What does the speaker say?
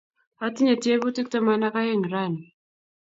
Atinye tyebutik taman ak aeng' rani.